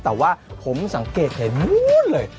แต่ว่าผมสังเกตไหนหมุนเลย